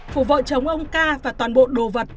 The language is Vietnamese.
của vợ chồng ông ca và toàn bộ đồ vật